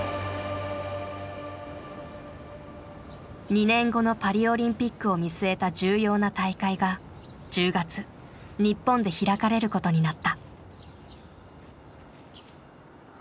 ２年後のパリオリンピックを見据えた重要な大会が１０月日本で開かれることになった。